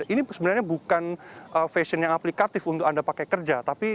ini sebenarnya bukan fashion yang aplikatif untuk anda pakai kerja